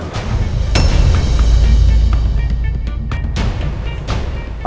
apakah anda sudah melakukan tes dna